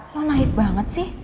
lo naif banget sih